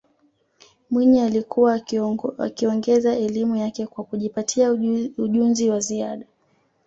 mwinyi alikuwa akiongeza elimu yake kwa kujipatia ujunzi wa ziada